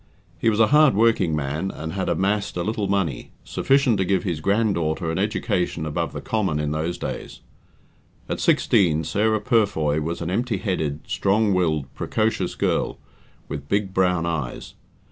He was a hard working man, and had amassed a little money sufficient to give his grand daughter an education above the common in those days. At sixteen, Sarah Purfoy was an empty headed, strong willed, precocious girl, with big brown eyes.